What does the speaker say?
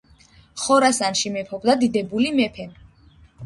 ხორასანში მეფობდა დიდებული მეფე